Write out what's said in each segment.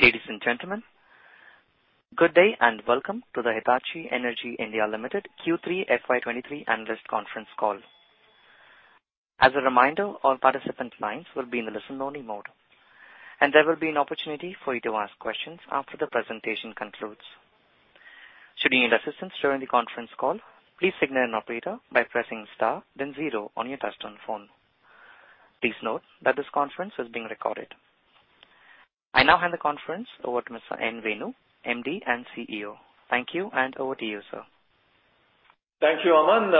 Ladies and gentlemen, good day, and welcome to the Hitachi Energy India Limited Q3 FY 2023 Analyst Conference Call. As a reminder, all participant lines will be in a listen-only mode, and there will be an opportunity for you to ask questions after the presentation concludes. Should you need assistance during the conference call, please signal an operator by pressing star then zero on your touchtone phone. Please note that this conference is being recorded. I now hand the conference over to Mr. N. Venu, MD and CEO. Thank you, and over to you, sir. Thank you, Aman.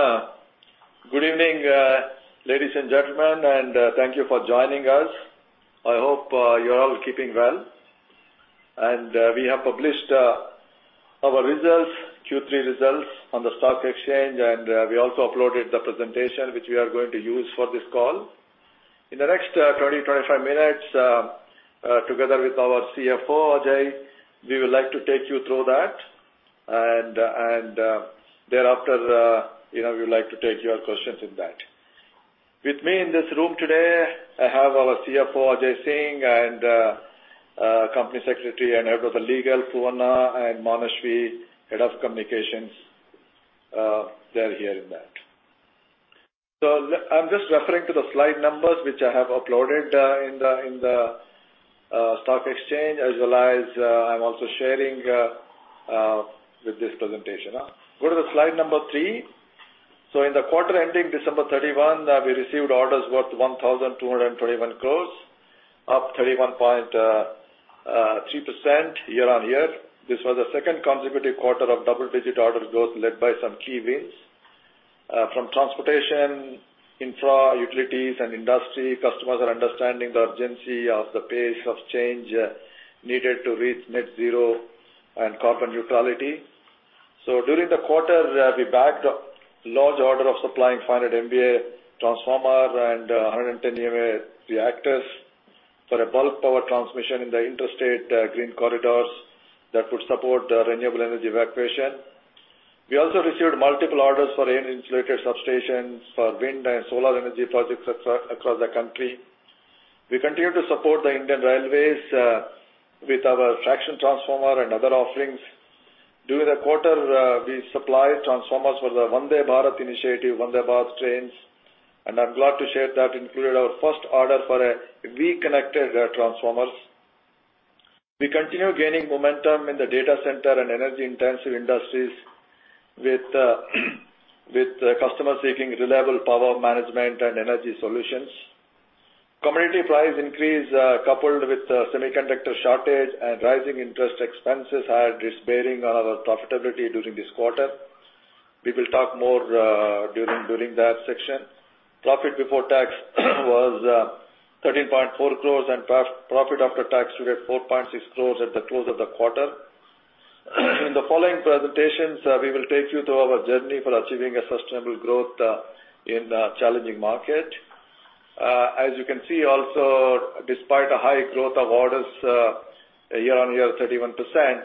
Good evening, ladies and gentlemen, thank you for joining us. I hope you're all keeping well. We have published our results, Q3 results on the stock exchange, we also uploaded the presentation, which we are going to use for this call. In the next 20, 25 minutes, together with our CFO, Ajay, we would like to take you through that. Thereafter, you know, we would like to take your questions in that. With me in this room today, I have our CFO, Ajay Singh, Company Secretary and Head of Legal, Poovanna, and Manashri, Head of Communications. They're here in back. I'm just referring to the slide numbers which I have uploaded in the, in the, stock exchange, as well as, I'm also sharing with this presentation. Go to the slide number three. In the quarter ending December 31, we received orders worth 1,221 crore, up 31.3% year-on-year. This was the second consecutive quarter of double-digit order growth led by some key wins. From transportation, infra, utilities, and industry, customers are understanding the urgency of the pace of change needed to reach net zero and carbon neutrality. During the quarter, we bagged a large order of supplying 500 MVA transformer and 110 MVA reactors for a bulk power transmission in the interstate green corridors that would support the renewable energy evacuation. We also received multiple orders for Air-insulated substations for wind and solar energy projects across the country. We continue to support the Indian Railways with our traction transformer and other offerings. During the quarter, we supplied transformers for the Vande Bharat initiative, Vande Bharat trains, and I'm glad to share that included our first order for a reconnected transformers. We continue gaining momentum in the data center and energy-intensive industries with customers seeking reliable power management and energy solutions. Commodity price increase, coupled with semiconductor shortage and rising interest expenses had this bearing on our profitability during this quarter. We will talk more during that section. Profit before tax was 13.4 crore, and profit after tax stood at 4.6 crore at the close of the quarter. In the following presentations, we will take you through our journey for achieving a sustainable growth in a challenging market. As you can see also, despite a high growth of orders, year-over-year 31%,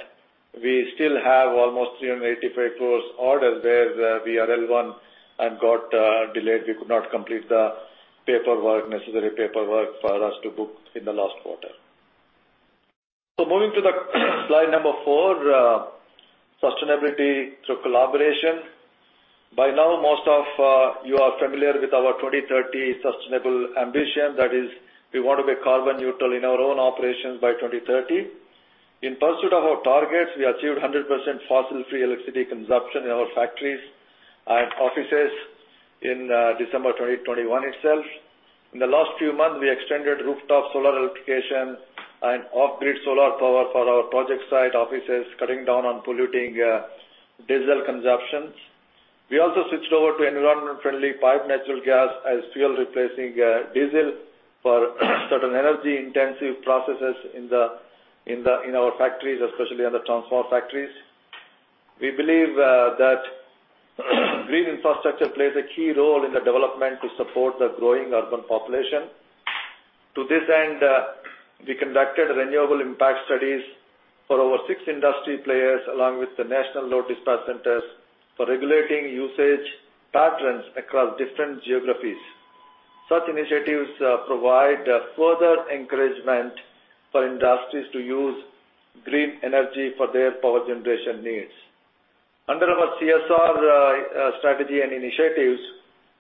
we still have almost 385 crore orders where the VRL One had got delayed. We could not complete the paperwork, necessary paperwork for us to book in the last quarter. Moving to the slide number four, sustainability through collaboration. By now, most of you are familiar with our 2030 sustainable ambition. That is, we want to be carbon neutral in our own operations by 2030. In pursuit of our targets, we achieved 100% fossil free electricity consumption in our factories and offices in December 2021 itself. In the last few months, we extended rooftop solar electrification and off-grid solar power for our project site offices, cutting down on polluting diesel consumptions. We also switched over to environment-friendly piped natural gas as fuel, replacing diesel for certain energy-intensive processes in our factories, especially in the transformer factories. We believe that green infrastructure plays a key role in the development to support the growing urban population. To this end, we conducted renewable impact studies for over six industry players along with the National Load Despatch Centers for regulating usage patterns across different geographies. Such initiatives provide further encouragement for industries to use green energy for their power generation needs. Under our CSR strategy and initiatives,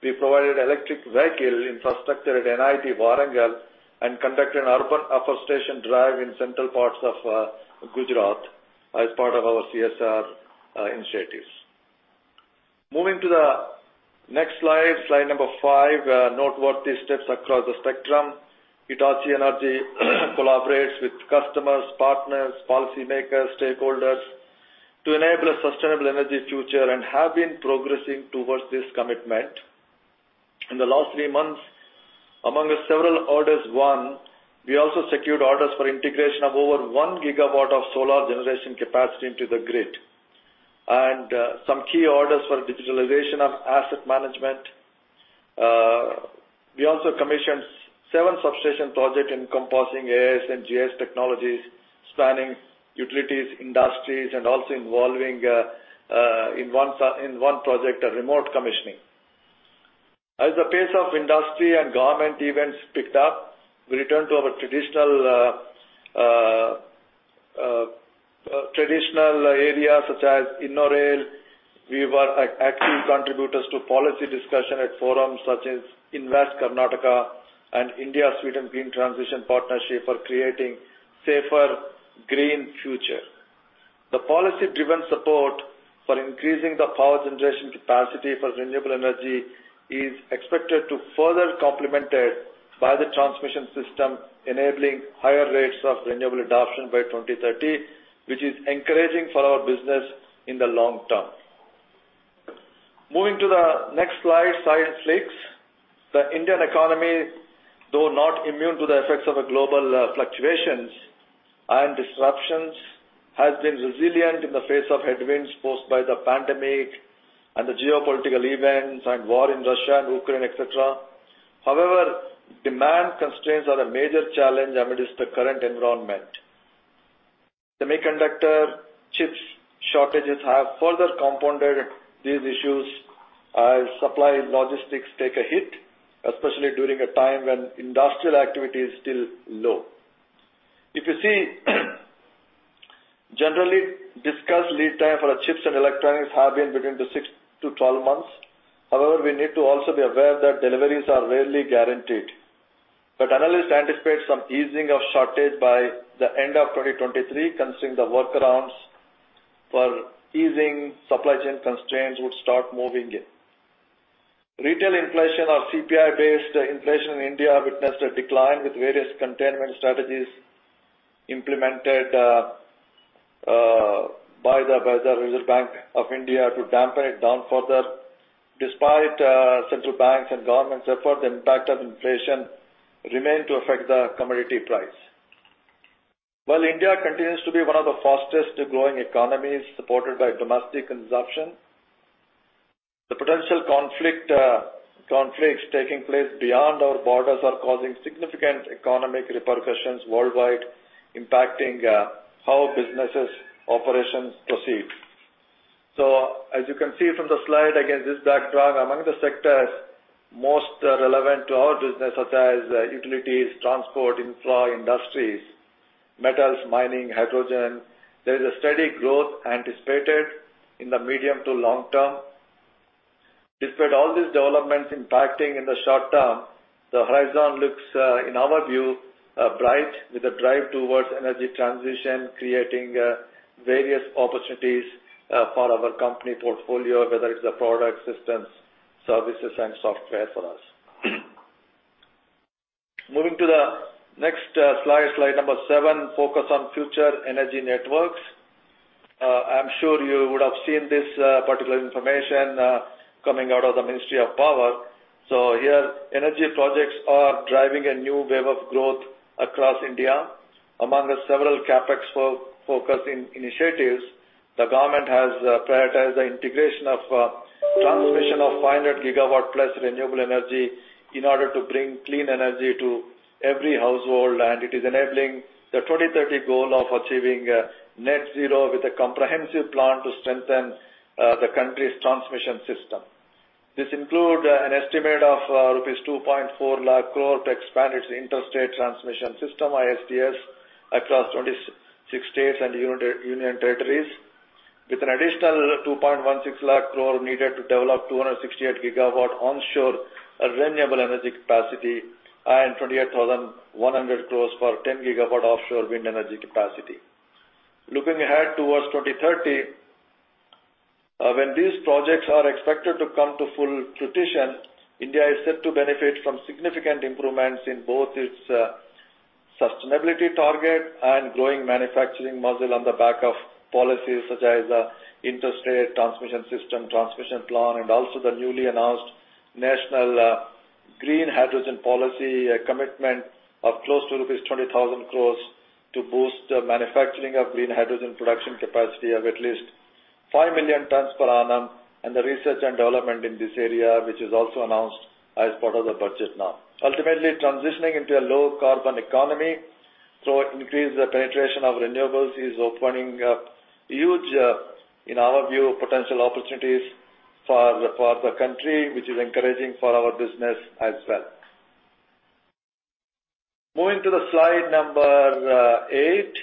we provided electric vehicle infrastructure at NIT Warangal and conducted an urban afforestation drive in central parts of Gujarat as part of our CSR initiatives. Moving to the next slide number five, noteworthy steps across the spectrum. Hitachi Energy collaborates with customers, partners, policymakers, stakeholders to enable a sustainable energy future and have been progressing towards this commitment. In the last three months, among the several orders won, we also secured orders for integration of over 1 GW of solar generation capacity into the grid, and some key orders for digitalization of asset management. We also commissioned seven substation project encompassing AIS and GIS technologies, spanning utilities, industries, and also involving in one project, a remote commissioning. As the pace of industry and government events picked up, we returned to our traditional areas such as InnoRail. We were active contributors to policy discussion at forums such as Invest Karnataka and India-Sweden Green Transition Partnership for creating safer green future. The policy-driven support for increasing the power generation capacity for renewable energy is expected to further complemented by the transmission system, enabling higher rates of renewable adoption by 2030, which is encouraging for our business in the long term. Moving to the next slide, slide six. The Indian economy, though not immune to the effects of a global fluctuations and disruptions, has been resilient in the face of headwinds posed by the pandemic and the geopolitical events and war in Russia and Ukraine, et cetera. Demand constraints are a major challenge amidst the current environment. Semiconductor chips shortages have further compounded these issues as supply logistics take a hit, especially during a time when industrial activity is still low. If you see, generally discussed lead time for chips and electronics have been between the six to 12 months. We need to also be aware that deliveries are rarely guaranteed. Analysts anticipate some easing of shortage by the end of 2023, considering the workarounds for easing supply chain constraints would start moving in. Retail inflation or CPI-based inflation in India witnessed a decline, with various containment strategies implemented by the Reserve Bank of India to dampen it down further. Despite central banks and governments' effort, the impact of inflation remain to affect the commodity price. While India continues to be one of the fastest growing economies supported by domestic consumption, the potential conflicts taking place beyond our borders are causing significant economic repercussions worldwide, impacting how businesses operations proceed. As you can see from the slide, again, this backdrop, among the sectors most relevant to our business, such as utilities, transport, employ industries, metals, mining, hydrogen, there is a steady growth anticipated in the medium to long term. Despite all these developments impacting in the short term, the horizon looks, in our view, bright with a drive towards energy transition, creating various opportunities for our company portfolio, whether it's the product, systems, services, and software for us. Moving to the next slide number seven, focus on future energy networks. I'm sure you would have seen this particular information coming out of the Ministry of Power. Here energy projects are driving a new wave of growth across India. Among the several CapEx focusing initiatives, the government has prioritized the integration of transmission of 500 GW plus renewable energy in order to bring clean energy to every household. It is enabling the 2030 goal of achieving net zero with a comprehensive plan to strengthen the country's transmission system. This include an estimate of rupees 2.4 lakh crore to expand its interstate transmission system, ISTS, across 26 states and union territories, with an additional 2.16 lakh crore needed to develop 268 GW onshore renewable energy capacity and 28,100 crore for 10 GW offshore wind energy capacity. Looking ahead towards 2030, when these projects are expected to come to full fruition, India is set to benefit from significant improvements in both its sustainability target and growing manufacturing muscle on the back of policies such as interstate transmission system, transmission plan, and also the newly announced National Green Hydrogen Policy commitment of close to rupees 20,000 crore to boost the manufacturing of green hydrogen production capacity of at least 5 million tons per annum and the research and development in this area, which is also announced as part of the budget now. Ultimately, transitioning into a low carbon economy through increased penetration of renewables is opening up huge, in our view, potential opportunities for the country, which is encouraging for our business as well. Moving to the slide number eight,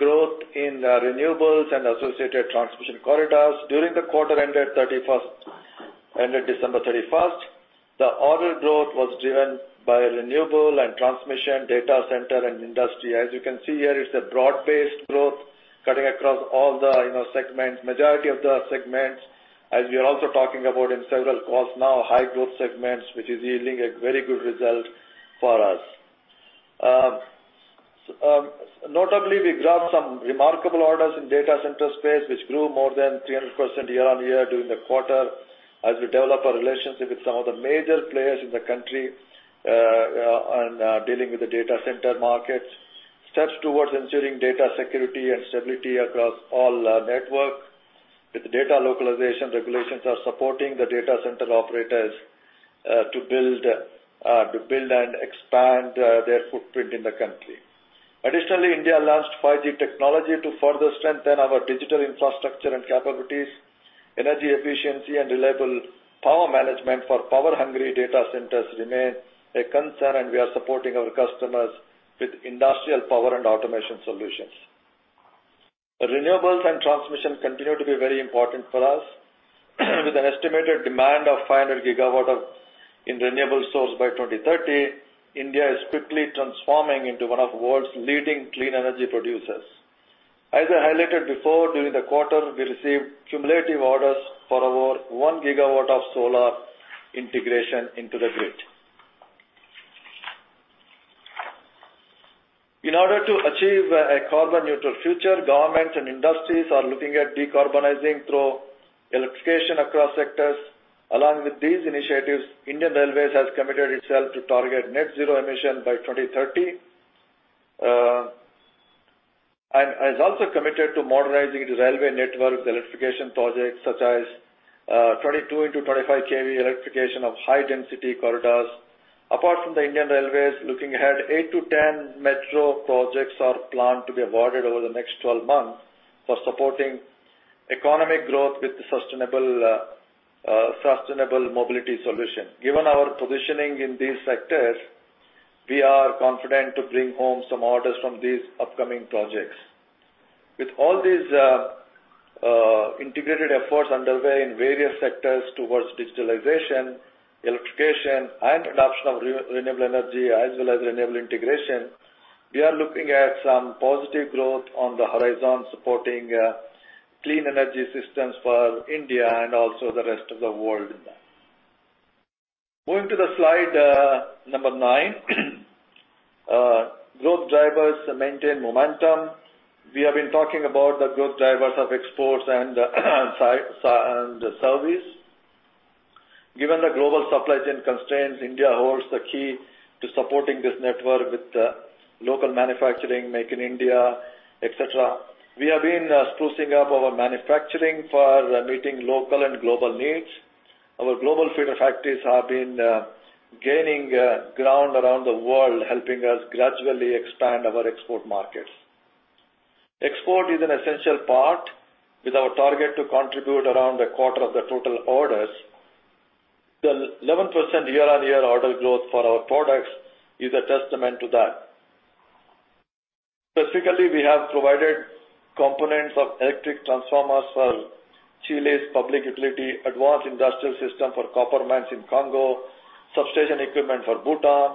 growth in renewables and associated transmission corridors. During the quarter ended 31st December, the order growth was driven by renewable and transmission data center and industry. As you can see here, it's a broad-based growth cutting across all the, you know, segments, majority of the segments, as we are also talking about in several calls now, high growth segments, which is yielding a very good result for us. Notably, we grabbed some remarkable orders in data center space, which grew more than 300% year-on-year during the quarter as we develop our relationship with some of the major players in the country on dealing with the data center markets. Steps towards ensuring data security and stability across all network. With data localization, regulations are supporting the data center operators to build and expand their footprint in the country. India launched 5G technology to further strengthen our digital infrastructure and capabilities. Energy efficiency and reliable power management for power-hungry data centers remain a concern. We are supporting our customers with industrial power and automation solutions. The renewables and transmission continue to be very important for us. With an estimated demand of 500 GW of in renewable source by 2030, India is quickly transforming into one of the world's leading clean energy producers. As I highlighted before, during the quarter, we received cumulative orders for over 1 GW of solar integration into the grid. In order to achieve a carbon-neutral future, governments and industries are looking at decarbonizing through electrification across sectors. Along with these initiatives, Indian Railways has committed itself to target net zero emission by 2030. It has also committed to modernizing its railway network with electrification projects such as 22 into 25 kV electrification of high-density corridors. Apart from the Indian Railways, looking ahead, eight to 10 metro projects are planned to be awarded over the next 12 months for supporting economic growth with sustainable mobility solution. Given our positioning in these sectors, we are confident to bring home some orders from these upcoming projects. With all these integrated efforts underway in various sectors towards digitalization, electrification and adoption of re-renewable energy as well as renewable integration, we are looking at some positive growth on the horizon, supporting clean energy systems for India and also the rest of the world with that. Moving to the slide, number nine. Growth drivers maintain momentum. We have been talking about the growth drivers of exports and service. Given the global supply chain constraints, India holds the key to supporting this network with local manufacturing, Make in India, et cetera. We have been sprucing up our manufacturing for meeting local and global needs. Our global feeder factories have been gaining ground around the world, helping us gradually expand our export markets. Export is an essential part with our target to contribute around a quarter of the total orders. The 11% year-on-year order growth for our products is a testament to that. Specifically, we have provided components of electric transformers for Chile's public utility, advanced industrial system for copper mines in Congo, substation equipment for Bhutan,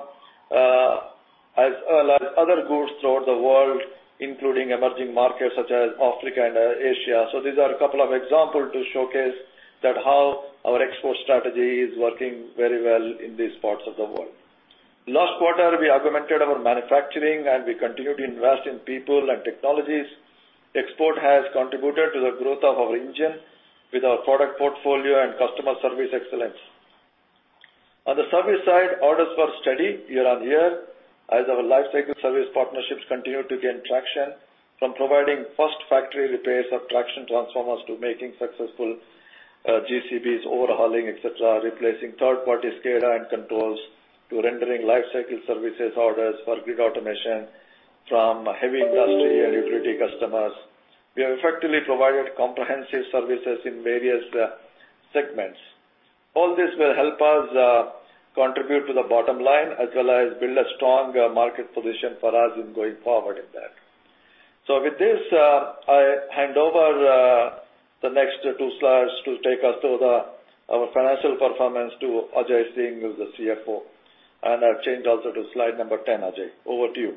as well as other goods throughout the world, including emerging markets such as Africa and Asia. These are a couple of examples to showcase that how our export strategy is working very well in these parts of the world. Last quarter, we augmented our manufacturing, and we continue to invest in people and technologies. Export has contributed to the growth of our engine with our product portfolio and customer service excellence. On the service side, orders were steady year-on-year as our lifecycle service partnerships continued to gain traction from providing first factory repairs of traction transformers to making successful GCBs overhauling, et cetera, replacing third-party SCADA and controls to rendering lifecycle services orders for grid automation from heavy industry and utility customers. We have effectively provided comprehensive services in various segments. All this will help us contribute to the bottom line as well as build a strong market position for us in going forward in that. With this, I hand over the next two slides to take us through our financial performance to Ajay Singh, who's the CFO. I change also to slide number 10, Ajay. Over to you.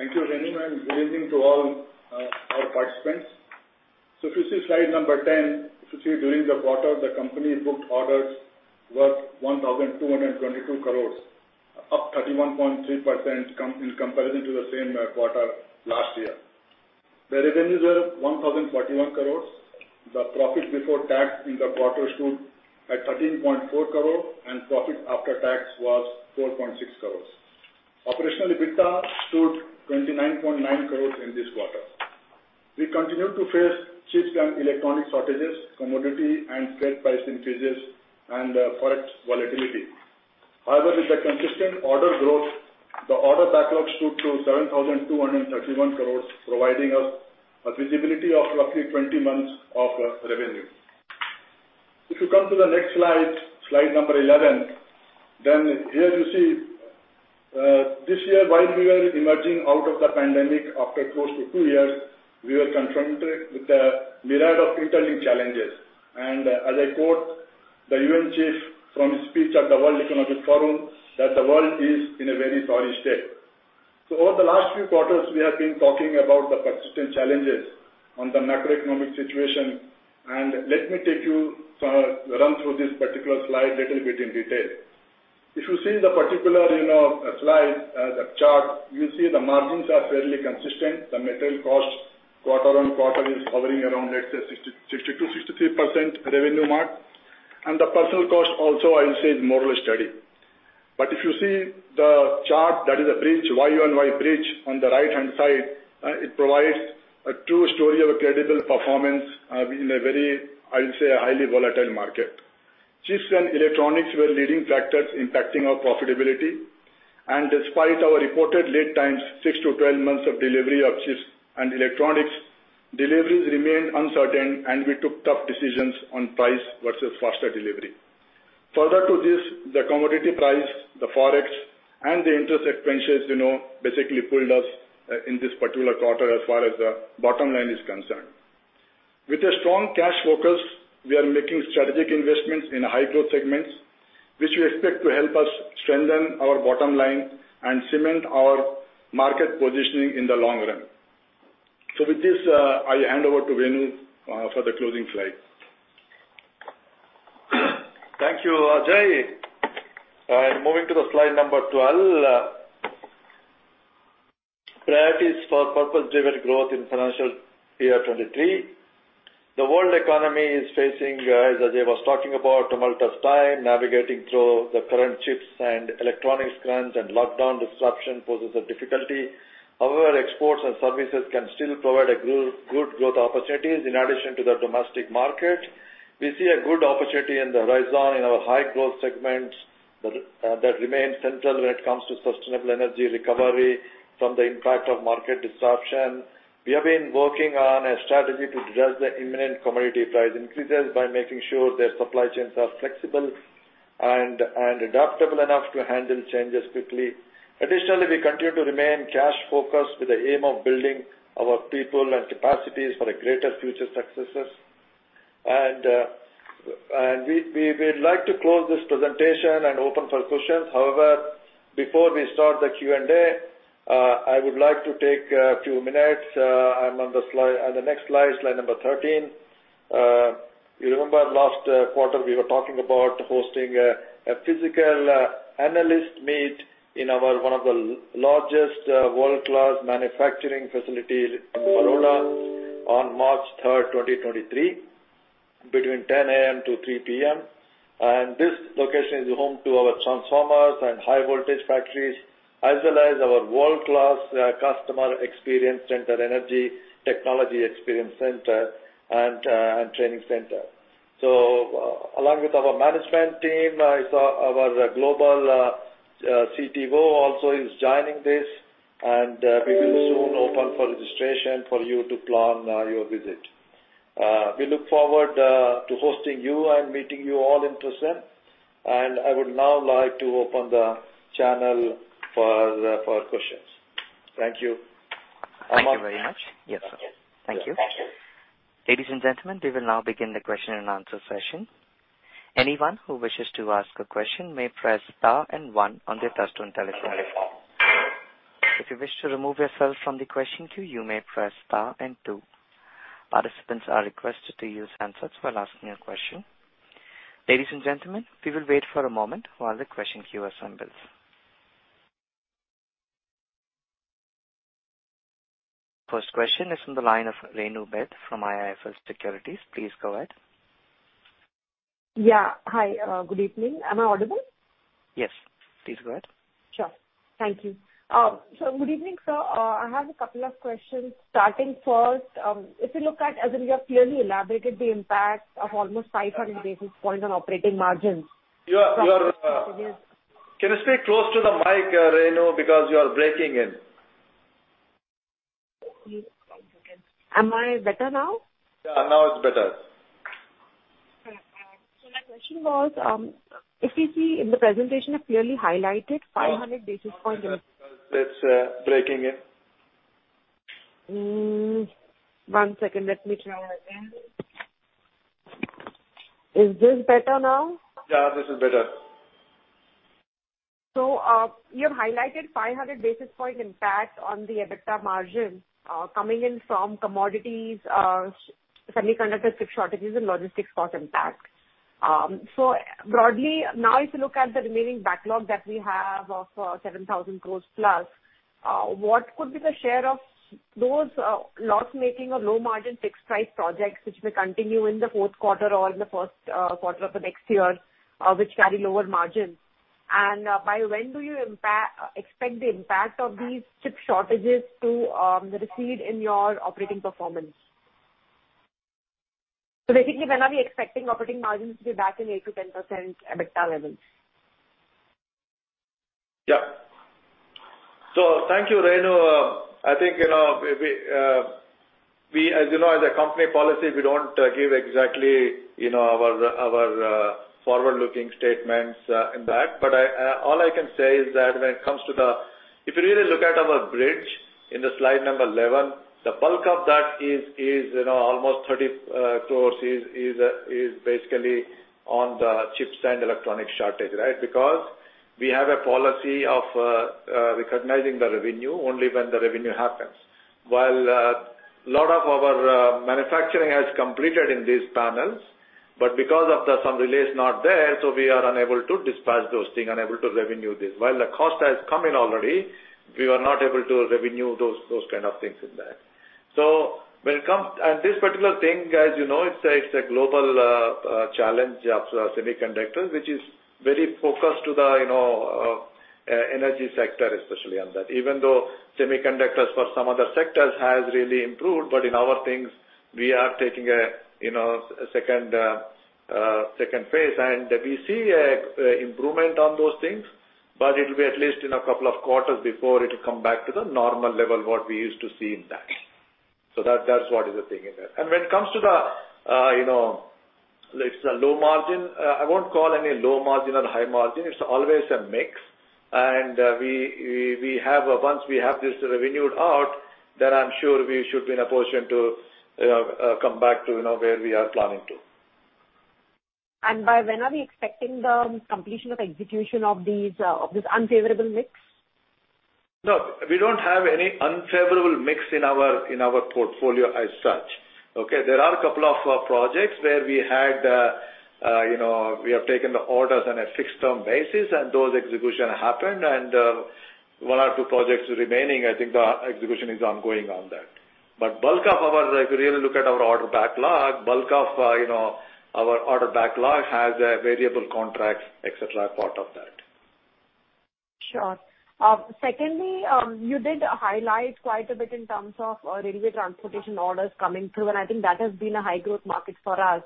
Thank you, Venu, good evening to all our participants. If you see slide number 10, if you see during the quarter, the company booked orders worth 1,222 crore, up 31.3% in comparison to the same quarter last year. The revenues were 1,041 crore. The profit before tax in the quarter stood at 13.4 crore, profit after tax was 4.6 crore. Operational EBITDA stood 29.9 crore in this quarter. We continue to face chips and electronic shortages, commodity and freight price increases, forex volatility. However, with the consistent order growth, the order backlog stood to 7,231 crore, providing us a visibility of roughly 20 months of revenue. If you come to the next slide number 11, here you see this year, while we were emerging out of the pandemic after close to two years, we were confronted with a myriad of interlinked challenges. As I quote the UN Chief from his speech at the World Economic Forum, that the world is in a very sorry state. Over the last few quarters, we have been talking about the persistent challenges on the macroeconomic situation. Let me take you, run through this particular slide little bit in detail. If you see the particular, you know, slide, the chart, you see the margins are fairly consistent. The material cost quarter-on-quarter is hovering around, let's say, 60%-62%-63% revenue mark. The personal cost also I will say is more or less steady. If you see the chart that is a bridge, Y-on-Y bridge on the right-hand side, it provides a true story of a credible performance in a very, I will say, a highly volatile market. Chips and electronics were leading factors impacting our profitability. Despite our reported lead times, six to 12 months of delivery of chips and electronics, deliveries remained uncertain, and we took tough decisions on price versus faster delivery. Further to this, the commodity price, the Forex, and the interest expenses, you know, basically pulled us in this particular quarter as far as the bottom line is concerned. With a strong cash focus, we are making strategic investments in high-growth segments, which we expect to help us strengthen our bottom line and cement our market positioning in the long run. With this, I hand over to Venu for the closing slide. Thank you, Ajay. Moving to the slide number 12. Priorities for purposeful driven growth in financial year 2023. The world economy is facing, as Ajay was talking about, tumultuous time navigating through the current chips and electronics crunch and lockdown disruption poses a difficulty. However, exports and services can still provide good growth opportunities in addition to the domestic market. We see a good opportunity in the horizon in our high-growth segments that remain central when it comes to sustainable energy recovery from the impact of market disruption. We have been working on a strategy to address the imminent commodity price increases by making sure their supply chains are flexible and adaptable enough to handle changes quickly. Additionally, we continue to remain cash focused with the aim of building our people and capacities for a greater future successes. We would like to close this presentation and open for questions. However, before we start the Q&A, I would like to take a few minutes, on the next slide number 13. You remember last quarter we were talking about hosting a physical analyst meet in one of the largest world-class manufacturing facility in Baroda on 3rd March, 2023, between 10:00 A.M. to 3:00 P.M. This location is home to our transformers and high voltage factories, as well as our world-class customer experience center, energy, technology experience center, and training center. Along with our management team, I saw our global CTO also is joining this, and we will soon open for registration for you to plan your visit. We look forward to hosting you and meeting you all in person. I would now like to open the channel for questions. Thank you. Thank you very much. Yes. Thank you. Ladies and gentlemen, we will now begin the question and answer session. Anyone who wishes to ask a question may press star and one on their touch-tone telephone. If you wish to remove yourself from the question queue, you may press star and two. Participants are requested to use handsets while asking your question. Ladies and gentlemen, we will wait for a moment while the question queue assembles. First question is on the line of Renu Bhardwaj from IIFL Securities. Please go ahead. Yeah. Hi. good evening. Am I audible? Yes, please go ahead. Sure. Thank you. Good evening, sir. I have a couple of questions. Starting first, if you look at as you have clearly elaborated the impact of almost 500 basis points on operating margins. Can you speak close to the mic, Renu, because you are breaking in. Am I better now? Yeah, now it's better. My question was, if you see in the presentation, you clearly highlighted 500 basis points- It's breaking in. One second. Let me try again. Is this better now? Yeah, this is better. You have highlighted 500 basis point impact on the EBITDA margin coming in from commodities, semiconductor chip shortages and logistics cost impact. Broadly, if you look at the remaining backlog that we have of 7,000+ crore what could be the share of those loss-making or low-margin fixed price projects which may continue in the Q4 or in the Q1 of the next year, which carry lower margins? By when do you expect the impact of these chip shortages to recede in your operating performance? When are we expecting operating margins to be back in 8%-10% EBITDA levels? Yeah. Thank you, Renu. I think, you know, we, you know, as a company policy, we don't give exactly, you know, our forward-looking statements in that. I, all I can say is that when it comes to the, if you really look at our bridge in the slide number 11, the bulk of that is, you know, almost 30 crore is basically on the chips and electronics shortage, right? Because we have a policy of recognizing the revenue only when the revenue happens. While, lot of our manufacturing has completed in these panels, but because of the some relays not there, so we are unable to dispatch those things, unable to revenue this. While the cost has come in already, we were not able to revenue those kind of things in that. When it comes to this particular thing, as you know, it's a global challenge of semiconductors, which is very focused to the, you know, energy sector, especially on that. Even though semiconductors for some other sectors has really improved, but in our things we are taking a, you know, second phase. We see a improvement on those things, but it'll be at least in a couple of quarters before it'll come back to the normal level, what we used to see in that. That's what is the thing in that. When it comes to the, you know, it's a low margin. I won't call any low margin or high margin. It's always a mix. Once we have this revenued out, then I'm sure we should be in a position to come back to, you know, where we are planning to. By when are we expecting the completion of execution of these, of this unfavorable mix? No, we don't have any unfavorable mix in our, in our portfolio as such. Okay? There are a couple of projects where we had, you know, we have taken the orders on a fixed term basis and those execution happened. One or two projects remaining, I think the execution is ongoing on that. Bulk of our, if you really look at our order backlog, bulk of, you know, our order backlog has variable contracts, et cetera, part of that. Sure. Secondly, you did highlight quite a bit in terms of railway transportation orders coming through. I think that has been a high growth market for us.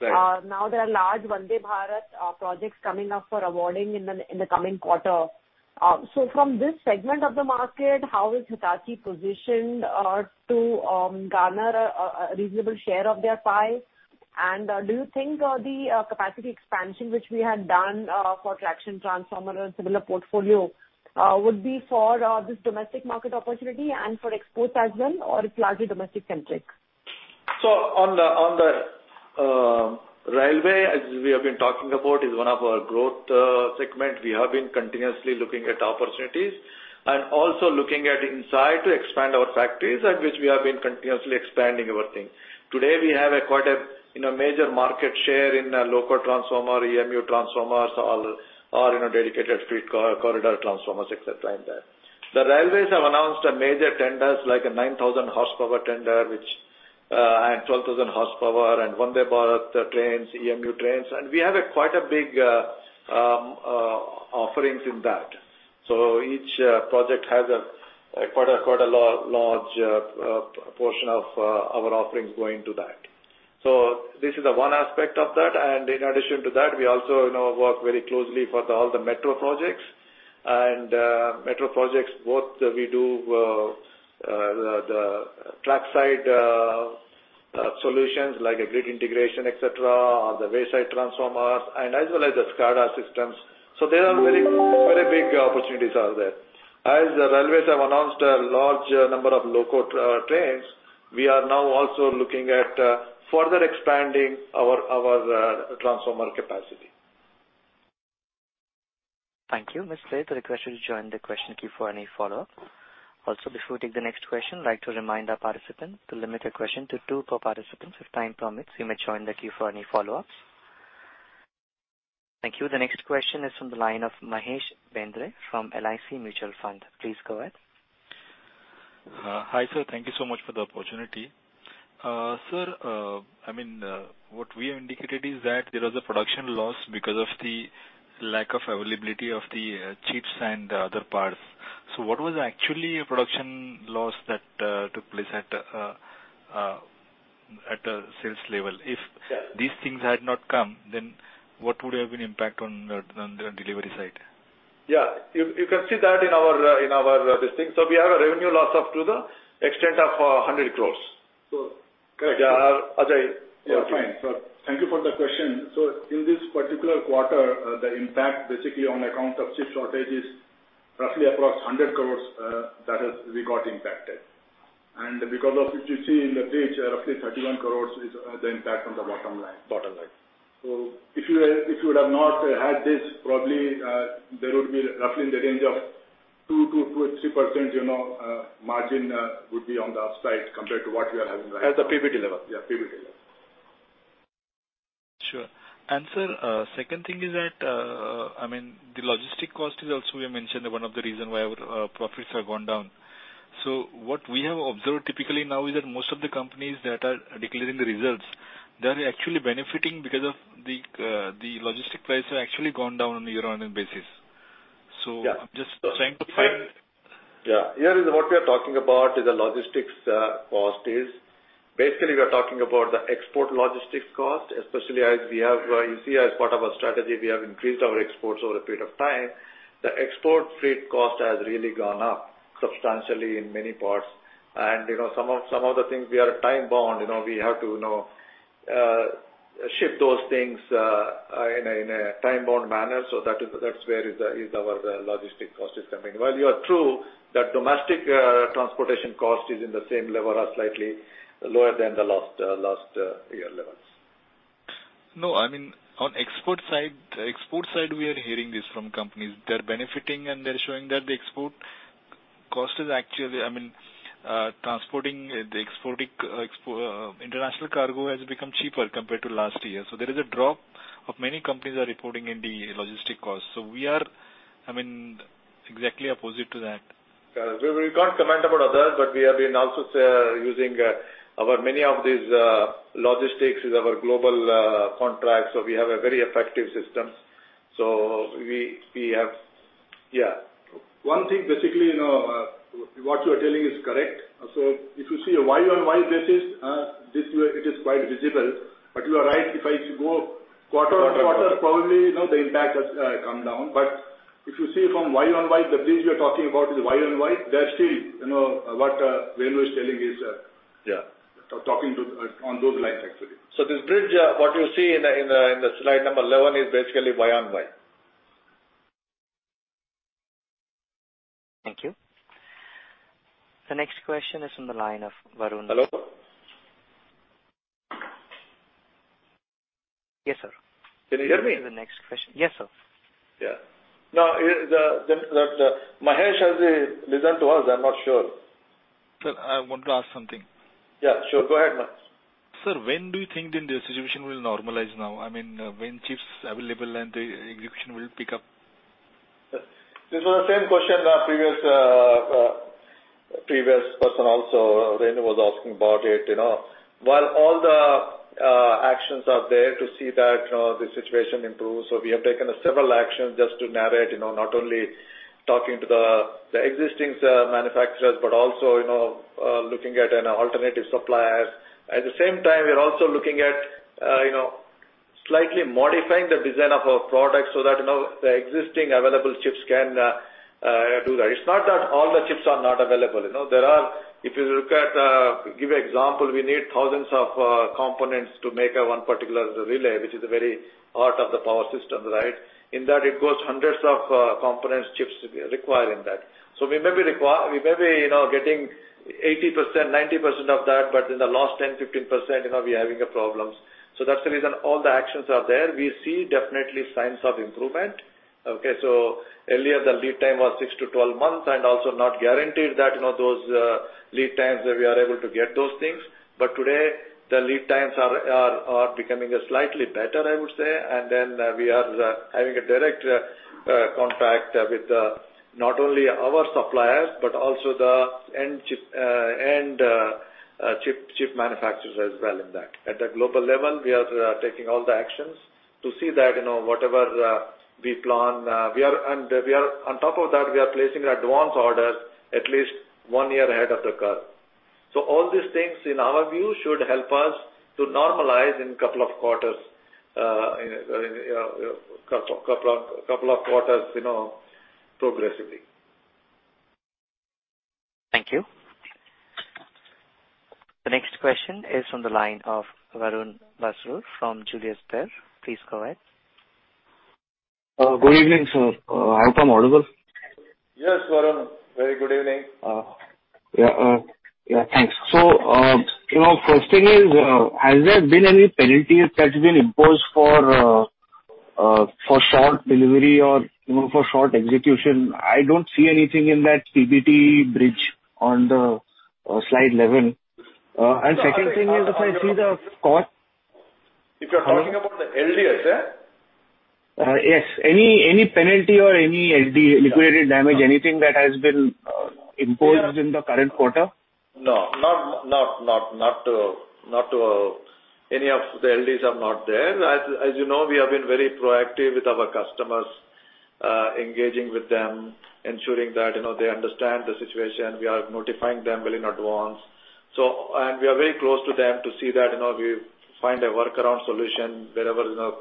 Right. Now there are large Vande Bharat projects coming up for awarding in the coming quarter. So from this segment of the market, how is Hitachi positioned to garner a reasonable share of their pie? And do you think the capacity expansion which we had done for traction transformer and similar portfolio would be for this domestic market opportunity and for exports as well, or it's largely domestic centric? On the, on the railway, as we have been talking about, is one of our growth segment. We have been continuously looking at opportunities and also looking at inside to expand our factories and which we have been continuously expanding our thing. Today, we have a quite a, you know, major market share in local transformer, EMU transformers or, you know, dedicated street corridor transformers, et cetera, in there. The railways have announced a major tenders like a 9,000 horsepower tender which and 12,000 horsepower and Vande Bharat trains, EMU trains, and we have a quite a big offerings in that. Each project has a quite a, quite a large portion of our offerings going to that. This is the one aspect of that. In addition to that, we also, you know, work very closely with all the metro projects. Metro projects, both we do the trackside solutions like a grid integration, et cetera, or the wayside transformers and as well as the SCADA systems. There are very, very big opportunities are there. As the railways have announced a large number of loco trains, we are now also looking at further expanding our transformer capacity. Thank you. Ms. please. The requester to join the question queue for any follow-up. Also, before we take the next question, I'd like to remind our participants to limit their question to two per participant. If time permits, you may join the queue for any follow-ups. Thank you. The next question is from the line of Mahesh Bendre from LIC Mutual Fund. Please go ahead. Hi, sir. Thank you so much for the opportunity. Sir, I mean, what we have indicated is that there was a production loss because of the lack of availability of the chips and other parts. What was actually a production loss that took place at a sales level? Yeah. These things had not come, then what would have been impact on the, on the delivery side? Yeah. You can see that in our this thing. We have a revenue loss up to the extent of 100 crore. So- Yeah. Ajay. Yeah. Fine, sir. Thank you for the question. In this particular quarter, the impact basically on account of chip shortage is roughly across 100 crore that got impacted. Because of, if you see in the page, roughly 31 crore is the impact on the bottom line. Bottom line. If you had, if you would have not had this, probably, there would be roughly in the range of 2%-3%, you know, margin, would be on the upside compared to what we are having right now. At the PBT level? Yeah, PBT level. Sure. Sir, second thing is that, I mean, the logistic cost is also you mentioned one of the reason why our profits have gone down. What we have observed typically now is that most of the companies that are declaring the results, they are actually benefiting because of the logistic price have actually gone down on a year-on-year basis. Yeah. Just trying to find-. Yeah. Here is what we are talking about is the logistics cost is basically we are talking about the export logistics cost, especially as we have, you see, as part of our strategy, we have increased our exports over a period of time. The export freight cost has really gone up substantially in many parts. You know, some of the things we are time-bound, you know, we have to, you know, ship those things in a time-bound manner. That is, that's where is our logistic cost is coming. You are true that domestic transportation cost is in the same level or slightly lower than the last year levels. No, I mean, on export side, we are hearing this from companies. They're benefiting and they're showing that the export cost is actually, I mean, transporting the exporting international cargo has become cheaper compared to last year. There is a drop of many companies are reporting in the logistic costs. We are, I mean, exactly opposite to that. We can't comment about others, but we have been also using our many of these logistics with our global contracts, so we have a very effective system. We have. Yeah. One thing, basically, you know, what you are telling is correct. If you see a y-o-y basis, this way it is quite visible. You are right. If I go quarter-on-quarter, probably, you know, the impact has come down. If you see from y-o-y, the things you're talking about is y-o-y, they're still, you know, what Venu is telling is. Yeah. Talking to, on those lines, actually. This bridge, what you see in the, in the, in the slide number 11 is basically y-o-y. Thank you. The next question is on the line of Varun. Hello? Yes, sir. Can you hear me? The next question. Yes, sir. Yeah. Now, the Mahesh has listened to us, I'm not sure. Sir, I want to ask something. Yeah, sure. Go ahead, Mahesh. Sir, when do you think then the situation will normalize now? I mean, when chips available and the execution will pick up? This is the same question the previous, previous person also, Renu, was asking about it, you know. While all the actions are there to see that, you know, the situation improves, we have taken several actions just to narrate, you know, not only talking to the existing manufacturers, but also, you know, looking at an alternative suppliers. At the same time, we are also looking at, you know, slightly modifying the design of our products so that, you know, the existing available chips can do that. It's not that all the chips are not available, you know. There are, if you look at, give example, we need thousands of components to make one particular relay, which is a very heart of the power system, right? In that it goes hundreds of components, chips required in that. We may be, you know, getting 80%, 90% of that, but in the last 10%, 15%, you know, we're having a problems. That's the reason all the actions are there. We see definitely signs of improvement. Okay? Earlier the lead time was six to 12 months and also not guaranteed that, you know, those lead times that we are able to get those things. Today the lead times are becoming slightly better, I would say. We are having a direct contact with not only our suppliers, but also the end chip manufacturers as well in that. At the global level, we are taking all the actions to see that, you know, whatever, we plan, On top of that, we are placing advance orders at least one year ahead of the curve. All these things, in our view, should help us to normalize in couple of quarters, you know, progressively. Thank you. The next question is from the line of Varun Basrur from Julius Baer. Please go ahead. Good evening, sir. Am I audible? Yes, Varun. Very good evening. Yeah. Yeah, thanks. You know, first thing is, has there been any penalty that's been imposed for short delivery or, you know, for short execution? I don't see anything in that CBT bridge on the slide 11. cost- If you're talking about the LDs, huh? Yes. Any penalty or any LD, liquidated damage, anything that has been imposed in the current quarter? No. Not any of the LDs are not there. As you know, we have been very proactive with our customers, engaging with them, ensuring that, you know, they understand the situation. We are notifying them well in advance. We are very close to them to see that, you know, we find a workaround solution wherever, you know,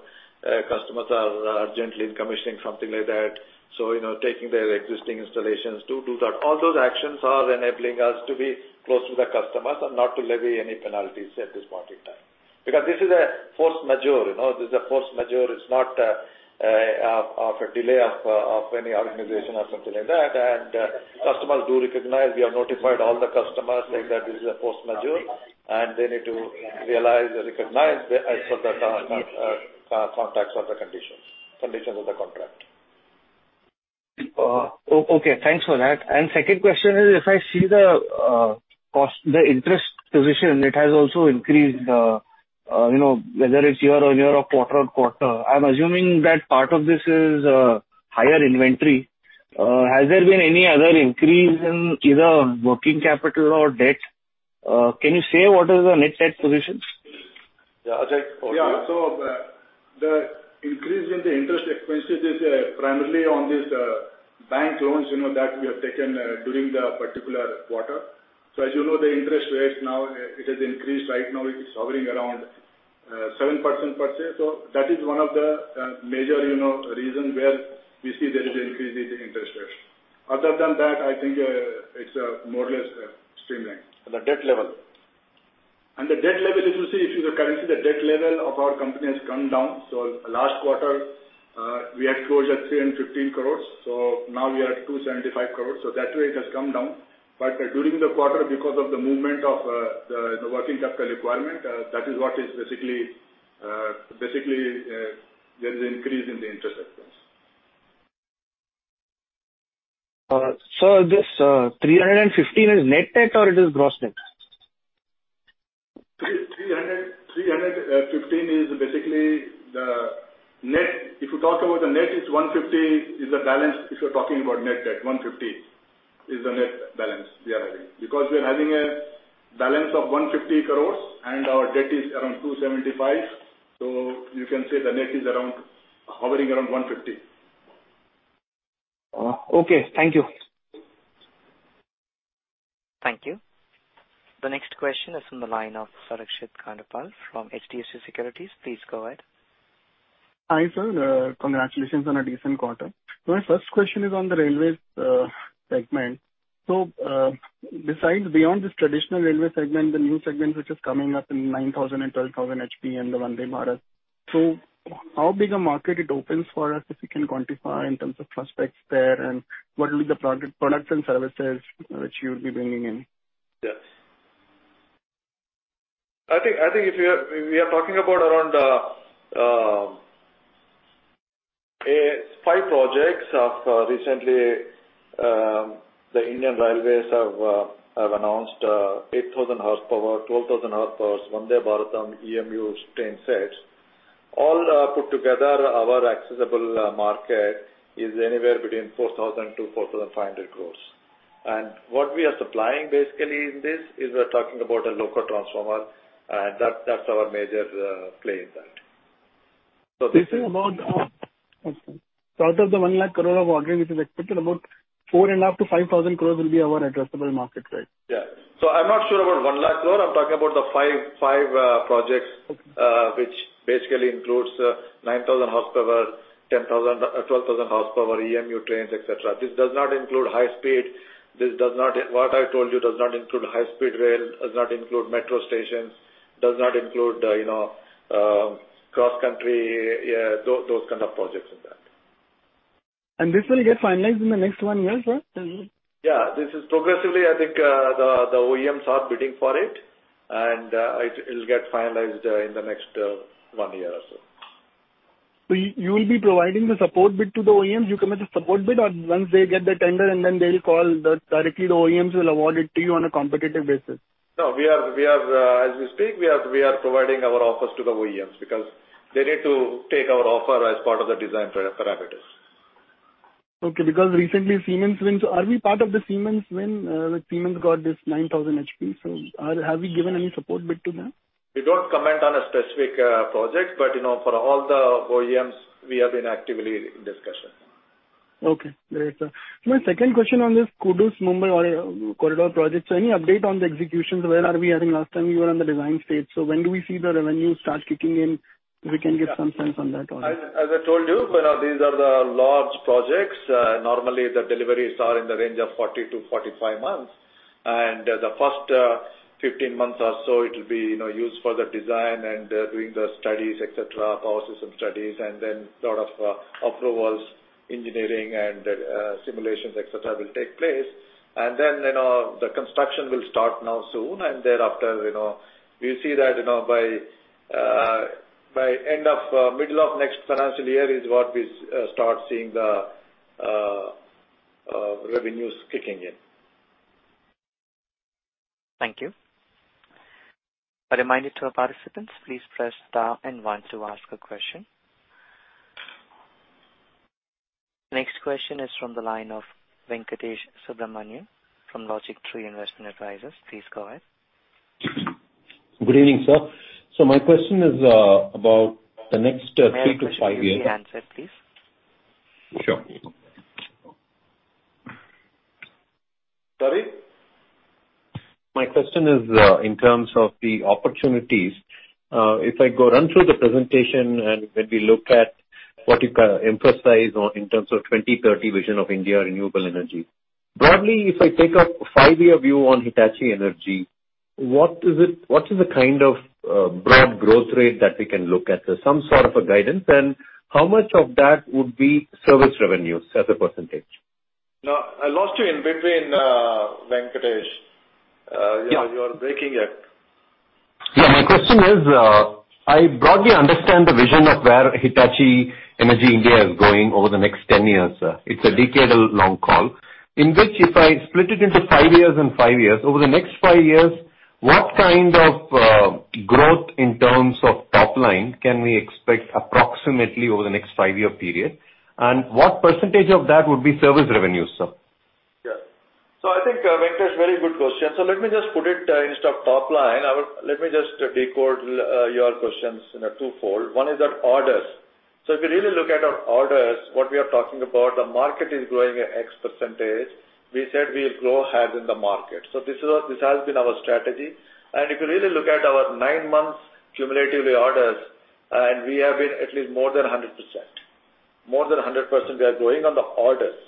customers are urgently commissioning something like that. You know, taking their existing installations to do that. All those actions are enabling us to be close to the customers and not to levy any penalties at this point in time. This is a force majeure, you know. This is a force majeure. It's not of a delay of any organization or something like that. Customers do recognize, we have notified all the customers saying that this is a force majeure, and they need to realize and recognize as per the conditions of the contract. Okay, thanks for that. Second question is, if I see the cost, the interest position, it has also increased, you know, whether it's year-over-year or quarter-over-quarter. I'm assuming that part of this is higher inventory. Has there been any other increase in either working capital or debt? Can you say what is the net debt positions? Yeah. Ajay? Yeah. The, the increase in the interest expenses is primarily on these bank loans, you know, that we have taken during the particular quarter. As you know, the interest rates now, it has increased. Right now, it is hovering around 7% per se. That is one of the major, you know, reason where we see there is increase in the interest rates. Other than that, I think, it's more or less streamlined. The debt level. The debt level, if you see the currency, the debt level of our company has come down. Last quarter, we had closed at 315 crore, now we are at 275 crore. That way it has come down. During the quarter, because of the movement of the working capital requirement, that is what is basically, there is increase in the interest expense. Sir, this, 315 crore is net debt or it is gross debt? Is basically the net. If you talk about the net, it's 150 crore is the balance. If you're talking about net debt, 150 crore is the net balance we are having. We are having a balance of 150 crore and our debt is around 275 crore. You can say the net is around, hovering around 150 crore. Okay. Thank you. Thank you. The next question is from the line of Parikshit Kandpal from HDFC Securities. Please go ahead. Hi, sir. Congratulations on a decent quarter. My first question is on the railways segment. Besides, beyond this traditional railway segment, the new segment which is coming up in 9,000 and 12,000 HP and the Vande Bharat. How big a market it opens for us, if we can quantify in terms of prospects there, and what will be the products and services which you will be bringing in? Yes. I think if we are talking about around five projects of recently, the Indian Railways have announced 8,000 horsepower, 12,000 horsepowers, Vande Bharat EMU train sets. All put together, our accessible market is anywhere between 4,000 crore-4,500 crore. What we are supplying basically in this is we're talking about a loco transformer, and that's our major play in that. This is about. Okay. Out of the 100,000 crore of order which is expected, about 4,500 crore to 5,000 crore will be our addressable market, right? Yeah. I'm not sure about 1 lakh crore. I'm talking about the five projects, which basically includes 9,000 horsepower, 10,000, 12,000 horsepower, EMU trains, et cetera. This does not include high speed. What I told you does not include high speed rail, does not include metro stations, does not include, you know, cross-country, yeah, those kind of projects in that. This will get finalized in the next one year, sir? Is it? This is progressively, I think, the OEMs are bidding for it. It'll get finalized in the next one year or so. Will you be providing the support bid to the OEMs? You commit the support bid or once they get the tender and then they'll call directly the OEMs will award it to you on a competitive basis? No, we are, as we speak, we are providing our offers to the OEMs because they need to take our offer as part of the design parameters. Okay. Recently Siemens went, are we part of the Siemens win? Like, Siemens got this 9,000 HP. Have we given any support bid to them? We don't comment on a specific project. You know, for all the OEMs, we have been actively in discussion. Okay. Great, sir. My second question on this Kudus-Mumbai Corridor project. Any update on the execution? Where are we? I think last time you were on the design stage. When do we see the revenue start kicking in? We can get some sense on that one. As I told you, these are the large projects. normally the deliveries are in the range of 40-45 months. The first 15 months or so, it will be, you know, used for the design and doing the studies, et cetera, power system studies, and then lot of approvals, engineering and simulations, et cetera, will take place. Then, you know, the construction will start now soon. Thereafter, you know, we see that, you know, by end of middle of next financial year is what we start seeing the revenues kicking in. Thank you. A reminder to our participants, please press star and one to ask a question. Next question is from the line of Venkatesh Subramanian from LogicTree Investment Advisors. Please go ahead. Good evening, sir. My question is about the next three to five years. ...your handset, please? Sure. Sorry? My question is, in terms of the opportunities, if I go run through the presentation and when we look at what you kinda emphasize on in terms of 2030 vision of India renewable energy. Broadly, if I take a five year view on Hitachi Energy, what is the kind of broad growth rate that we can look at? Some sort of a guidance. How much of that would be service revenues as a percentage? I lost you in between, Venkatesh. Yeah. You know, you were breaking it. My question is, I broadly understand the vision of where Hitachi Energy India is going over the next 10 years, sir. It's a decadal long call. In which if I split it into five years and five years, over the next five years, what kind of growth in terms of top line can we expect approximately over the next 5-year period? What percentage of that would be service revenues, sir? I think, Venkatesh, very good question. Let me just put it, instead of top line, let me just decode your questions in a twofold. One is at orders. If you really look at our orders, what we are talking about, the market is growing at x%. We said we'll grow half in the market. This has been our strategy. If you really look at our nine Months cumulatively orders, we have been at least more than 100%. More than 100%, we are growing on the orders.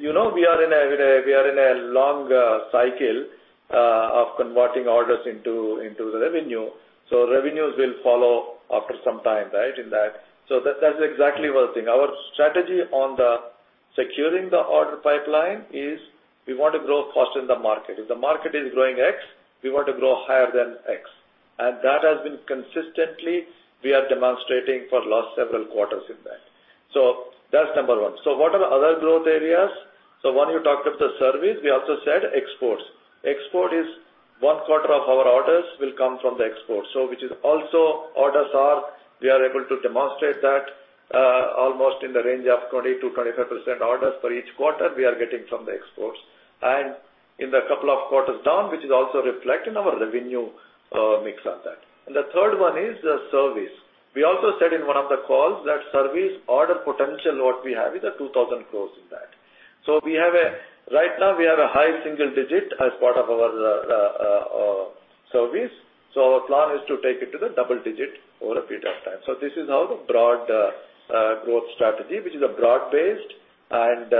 You know we are in a long cycle of converting orders into the revenue. Revenues will follow after some time, right, in that. That's exactly one thing. Our strategy on the securing the order pipeline is we want to grow faster than the market. If the market is growing X, we want to grow higher than X. That has been consistently we are demonstrating for last several quarters in that. So that's number one. What are the other growth areas? One, you talked of the service, we also said exports. Export is one quarter of our orders will come from the export. Which is also orders are, we are able to demonstrate that, almost in the range of 20%-25% orders for each quarter we are getting from the exports. In the couple of quarters down, which is also reflected in our revenue mix on that. The third one is the service. We also said in one of the calls that service order potential what we have is a 2,000 crore in that. Right now we have a high single digit as part of our service. Our plan is to take it to the double digit over a period of time. This is how the broad growth strategy, which is a broad-based and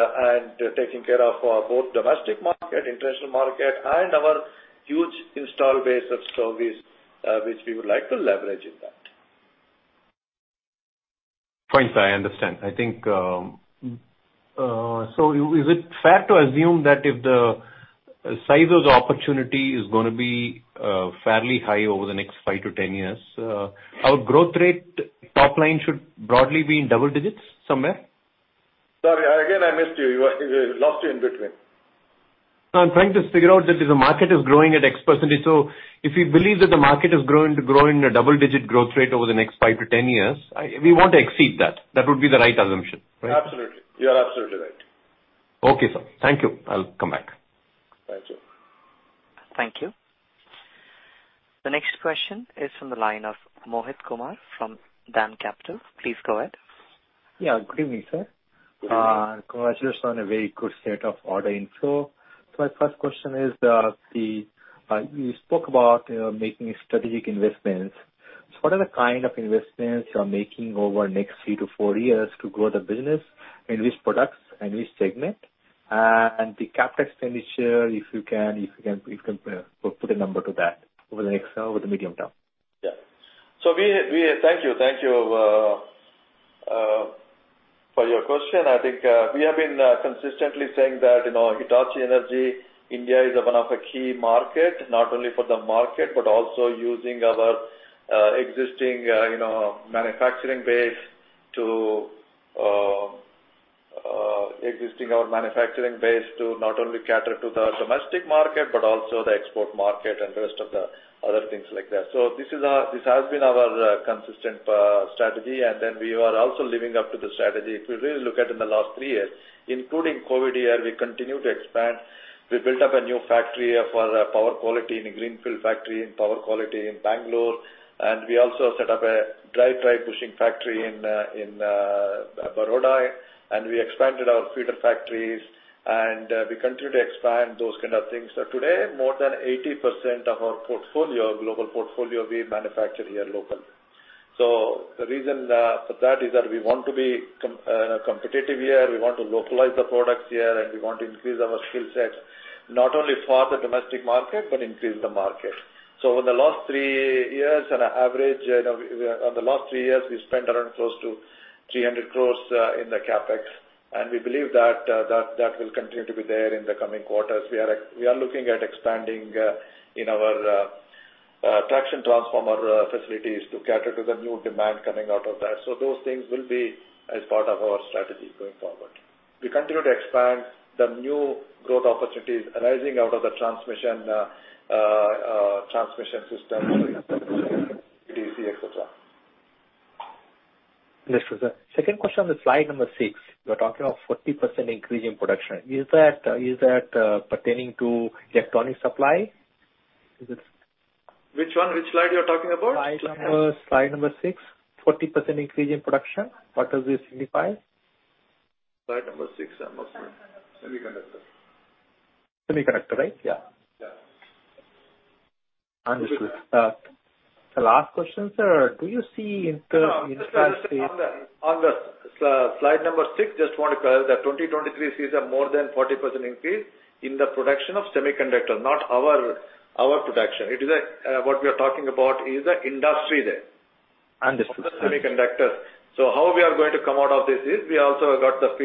taking care of our both domestic market, international market, and our huge install base of service, which we would like to leverage in that. Thanks, I understand. I think, is it fair to assume that if the size of the opportunity is gonna be, fairly high over the next five to 10 years, our growth rate top line should broadly be in double digits somewhere? Sorry, again, I missed you. I lost you in between. No, I'm trying to figure out that if the market is growing at x%, so if we believe that the market is growing a double-digit growth rate over the next five to 10 years, we want to exceed that. That would be the right assumption, right? Absolutely. You are absolutely right. Okay, sir. Thank you. I'll come back. Thank you. Thank you. The next question is from the line of Mohit Kumar from DAM Capital. Please go ahead. Yeah, good evening, sir. Good evening. Congratulations on a very good set of order inflow. My first question is, you spoke about making strategic investments. What are the kind of investments you are making over the next three to four years to grow the business, and which products and which segment? The CapEx expenditure, if you can put a number to that over the next over the medium term. Yeah. Thank you. Thank you for your question. I think, we have been consistently saying that, you know, Hitachi Energy India is one of a key market, not only for the market, but also using our existing, you know, manufacturing base to not only cater to the domestic market, but also the export market and rest of the other things like that. This has been our consistent strategy. We are also living up to the strategy. If you really look at in the last three years, including COVID year, we continue to expand. We built up a new factory for power quality in a Greenfield factory in power quality in Bangalore, and we also set up a dry-type bushing factory in Baroda, and we expanded our feeder factories, and we continue to expand those kind of things. Today, more than 80% of our portfolio, global portfolio, we manufacture here local. The reason for that is that we want to be competitive here, we want to localize the products here, and we want to increase our skill set, not only for the domestic market, but increase the market. Over the last three years on average, you know, the last three years we spent around close to 300 crore in the CapEx, and we believe that will continue to be there in the coming quarters. We are looking at expanding in our traction transformer facilities to cater to the new demand coming out of that. Those things will be as part of our strategy going forward. We continue to expand the new growth opportunities arising out of the transmission system DC, et cetera. Yes, sir. Second question on slide number six, you are talking of 40% increase in production. Is that pertaining to electronic supply? Which one? Which slide you are talking about? Slide number six, 40% increase in production. What does this signify? Slide number six, I'm not sure. Semiconductor. Semiconductor, right? Yeah. Yeah. Understood. The last question, sir. Do you see inter-state- No, on the slide number six, just want to clarify that 2023 sees a more than 40% increase in the production of semiconductor, not our production. It is what we are talking about is the industry there. Understood. Semiconductor. How we are going to come out of this is we also got the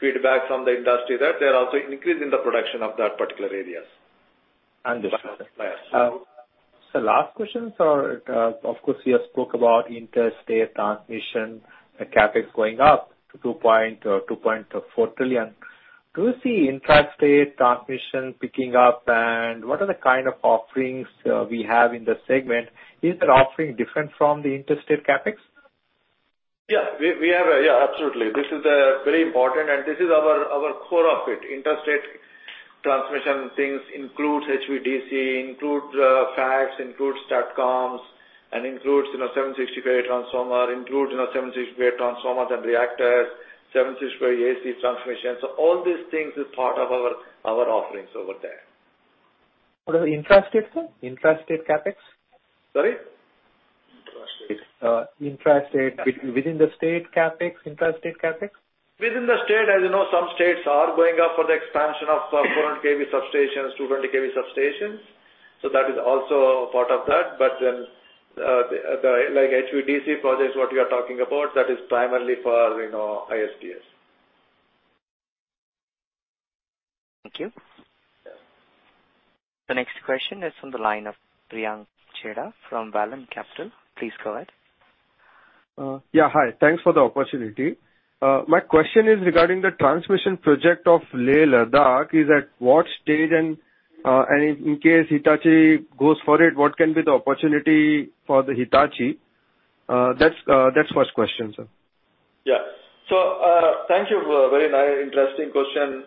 feedback from the industry that they're also increasing the production of that particular areas. Understood. Yes. Sir, last question, sir. Of course, we have spoke about interstate transmission, the CapEx going up to 2.4 trillion crore. Do you see intrastate transmission picking up? What are the kind of offerings, we have in the segment? Is that offering different from the interstate CapEx? Yeah. We, we have, yeah, absolutely. This is very important and this is our core of it. Interstate transmission things includes HVDC, includes FACTS, includes STATCOMs, and includes, you know, 760 KV transformer, includes, you know, 760 KV transformers and reactors, 76 KV AC transmission. All these things is part of our offerings over there. What is intrastate, sir? Intrastate CapEx? Sorry. Intrastate. Intrastate. Within the state CapEx, intrastate CapEx. Within the state, as you know, some states are going up for the expansion of, 400 KV substations, 200 KV substations. That is also part of that. The like HVDC projects, what you are talking about, that is primarily for, you know, ISDS. Thank you. The next question is from the line of Priyank Chheda from Vallum Capital. Please go ahead. Yeah. Hi. Thanks for the opportunity. My question is regarding the transmission project of Leh Ladakh. Is at what stage and in case Hitachi goes for it, what can be the opportunity for the Hitachi? That's first question, sir. Yeah. Thank you for a very interesting question.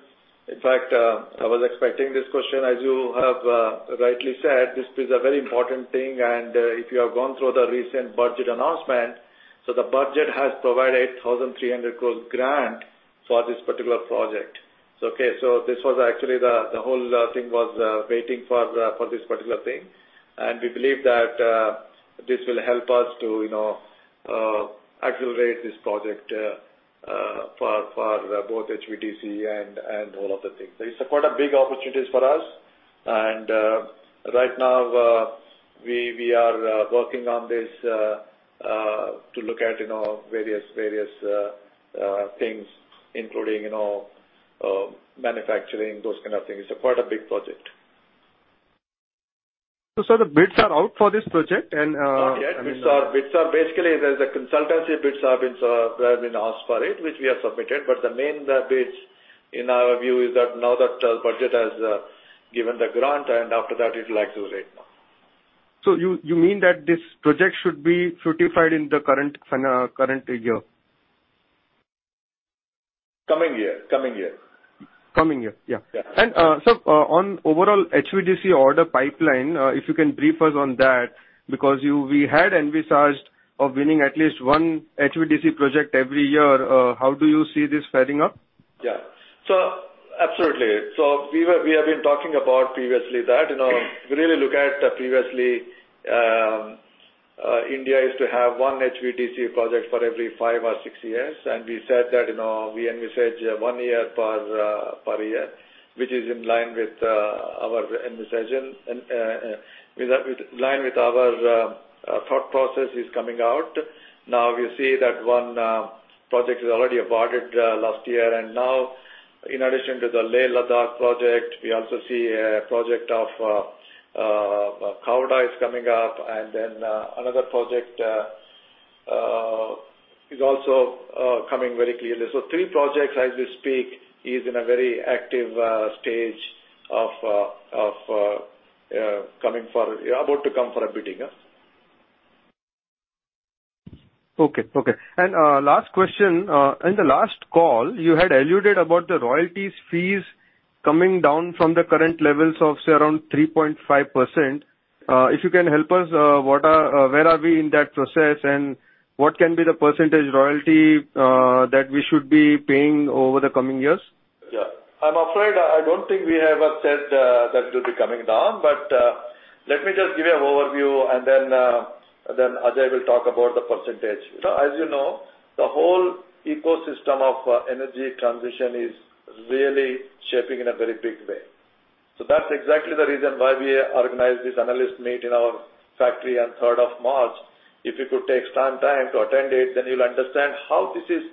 In fact, I was expecting this question. As you have rightly said, this is a very important thing, and if you have gone through the recent budget announcement. The budget has provided 1,300 crore grant for this particular project. Okay, this was actually the whole thing was waiting for this particular thing. We believe that this will help us to, you know, accelerate this project for both HVDC and all of the things. It's quite a big opportunities for us. Right now, we are working on this to look at, you know, various things including, you know, manufacturing, those kind of things. It's quite a big project. Sir, the bids are out for this project and... Not yet. Bids are basically there's a consultancy bids have been asked for it, which we have submitted. The main bids in our view is that now that budget has given the grant, and after that it will accelerate now. You mean that this project should be fructified in the current year? Coming year. Coming year. Yeah. Yeah. So on overall HVDC order pipeline, if you can brief us on that, because we had envisaged of winning at least one HVDC project every year. How do you see this adding up? Yeah. Absolutely. We have been talking about previously that, you know, if you really look at previously, India used to have 1 HVDC project for every five or six years. We said that, you know, we envisage one year per year, which is in line with our envisaging. With line with our thought process is coming out. We see that one project is already awarded last year. In addition to the Leh Ladakh project, we also see a project of Khavda is coming up, and then another project is also coming very clearly. Three projects as we speak is in a very active stage of, about to come for a bidding, yeah. Okay. Okay. Last question. In the last call you had alluded about the royalties fees coming down from the current levels of around 3.5%. If you can help us, what, where are we in that process, and what can be the percentage royalty, that we should be paying over the coming years? I'm afraid I don't think we have said that it will be coming down. Let me just give you an overview and then Ajay will talk about the percentage. You know, as you know, the whole ecosystem of energy transition is really shaping in a very big way. That's exactly the reason why we organized this analyst meet in our factory on 3rd of March. If you could take some time to attend it, you'll understand how this is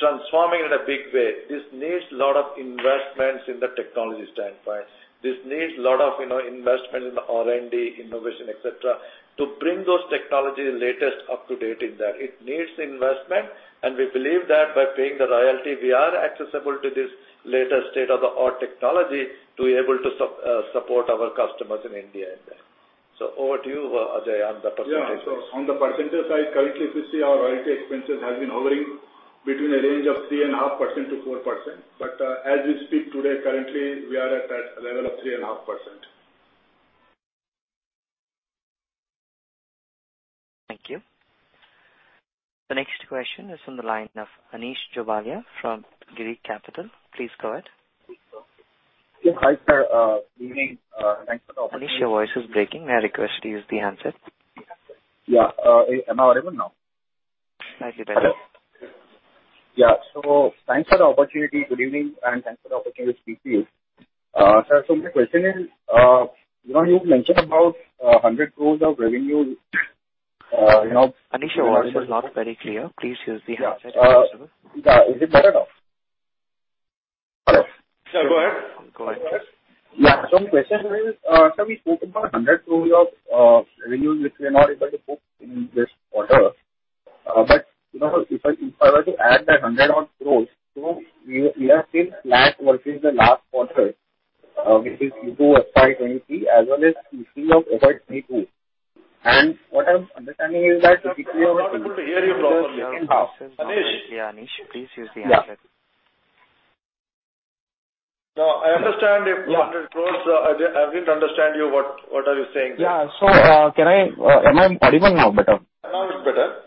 transforming in a big way. This needs lot of investments in the technology standpoint. This needs lot of, you know, investment in R&D, innovation, et cetera, to bring those technology latest up-to-date in that. It needs investment, and we believe that by paying the royalty, we are accessible to this latest state-of-the-art technology to be able to support our customers in India in there. Over to you, Ajay, on the percentages. Yeah. On the percentage side, currently if you see our royalty expenses has been hovering between a range of 3.5%-4%. As we speak today, currently we are at that level of 3.5%. Thank you. The next question is from the line of Anish Jobalia from Girik Capital. Please go ahead. Hi, sir. Good evening. Thanks for the opportunity- Anish, your voice is breaking. May I request you use the handset? Yeah. Am I audible now? Slightly better. Yeah. Thanks for the opportunity. Good evening, and thanks for the opportunity to speak to you. Sir, my question is, you know, you mentioned about 100 crore of revenue, you know... Anish, your voice is not very clear. Please use the handset if possible. Yeah. Yeah. Is it better now? Hello? Sir, go ahead. Go ahead. My question is, sir, we spoke about 100 crore of revenue which we are not able to book in this quarter. You know, if I were to add that 100 odd crore, we are still flat versus the last quarter, which is Q2 FY2023, as well as Q3 FY2022. What I'm understanding is that typically... We're not able to hear you properly. Anish. Yeah. Anish, please use the handset. Yeah. No, I understand if 100 crore. I haven't understand you what are you saying, sir? Yeah. Am I audible now better? Now it's better.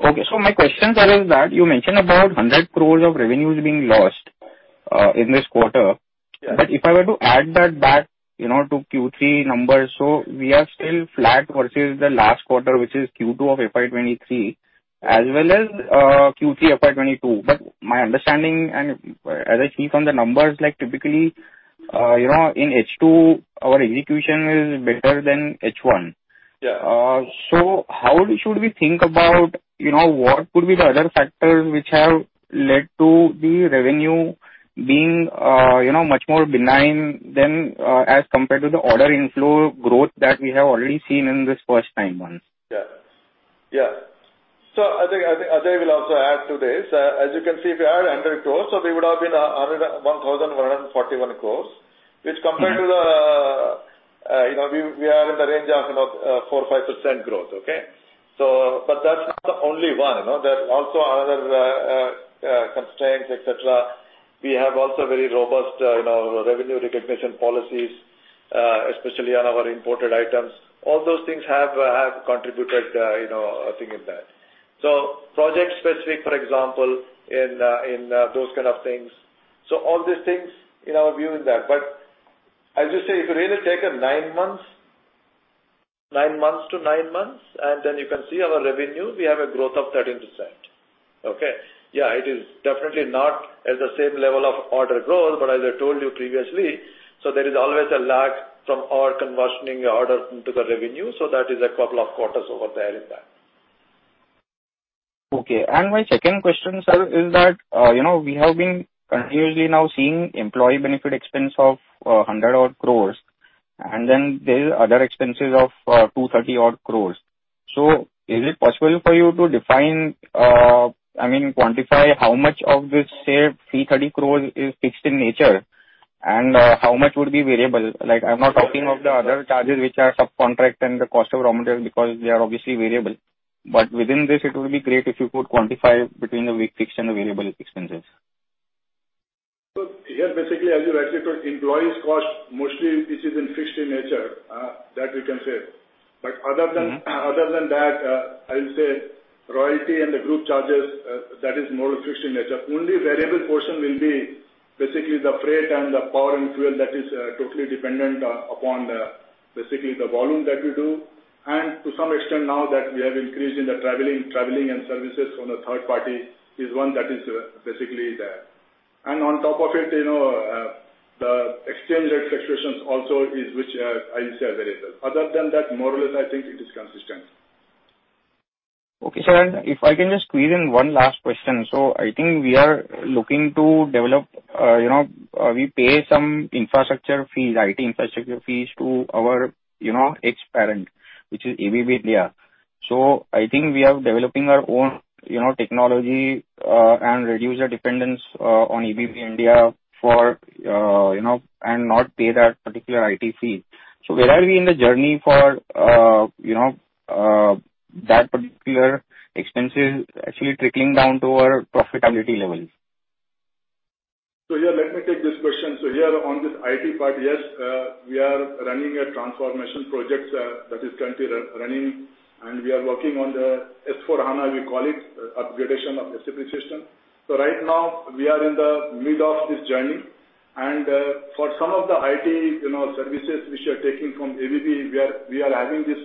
Okay. My question, sir, is that you mentioned about 100 crore of revenues being lost in this quarter. Yeah. If I were to add that back, you know, to Q3 numbers, we are still flat versus the last quarter, which is Q2 of FY2023, as well as, Q3 FY2022. My understanding and as I see from the numbers, like typically, you know, in H2 our execution is better than H1. Yeah. How should we think about, you know, what could be the other factors which have led to the revenue being, you know, much more benign than as compared to the order inflow growth that we have already seen in this first nine months? Yeah. Yeah. I think, I think Ajay will also add to this. As you can see, if you add under close, we would have been 1,141 crore, which compared to the, you know, we are in the range of, you know, 4%-5% growth. Okay? But that's not the only one, you know. There are also other constraints, et cetera. We have also very robust, you know, revenue recognition policies, especially on our imported items. All those things have contributed, you know, a thing in that. Project specific, for example, in those kind of things. All these things, you know, view in that. As you say, if you really take a nine months, nine months to nine months, and then you can see our revenue, we have a growth of 13%. Okay? It is definitely not at the same level of order growth, but as I told you previously, so there is always a lag from our conversioning order into the revenue. That is a couple of quarters over there in that. Okay. My second question, sir, is that, you know, we have been continuously now seeing employee benefit expense of 100 odd crore, there is other expenses of 230 odd crore. Is it possible for you to define, I mean, quantify how much of this, say, 330 crore is fixed in nature and how much would be variable? Like, I'm not talking of the other charges which are subcontract and the cost of raw material because they are obviously variable. Within this it will be great if you could quantify between the fixed and the variable expenses. Here, basically, as you rightly put, employees cost, mostly this is in fixed in nature, that we can say. Other than that, I will say royalty and the group charges, that is more fixed in nature. Only variable portion will be basically the freight and the power and fuel that is totally dependent on the volume that we do. To some extent now that we have increased in the traveling and services from a third party is one that is basically there. On top of it, you know, the exchange rate fluctuations also is which I will say a variable. Other than that, more or less I think it is consistent. Okay, sir. If I can just squeeze in one last question. I think we are looking to develop, you know, we pay some infrastructure fees, IT infrastructure fees to our, you know, ex-parent, which is ABB India. I think we are developing our own, you know, technology, and reduce our dependence on ABB India for, you know, and not pay that particular IT fee. Where are we in the journey for, you know, that particular expenses actually trickling down to our profitability levels? Yeah, let me take this question. Here on this IT part, yes, we are running a transformation project that is currently running, and we are working on the S/4HANA, we call it, upgradation of the SAP system. Right now we are in the mid of this journey. For some of the IT, you know, services which are taking from ABB, we are having this